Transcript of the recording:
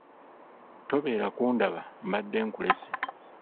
Tobeera kundaba mbadde nkulesse.